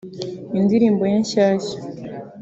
indirimbo ye nshyashya